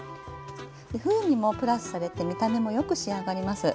風味もプラスされて見た目もよく仕上がります。